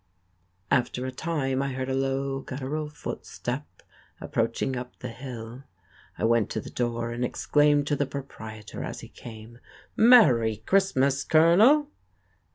After a time I heard a low guttural footstep approaching up the hill. I went to the door and exclaimed to the proprietor as he came, "Merry Christmas, Colonel."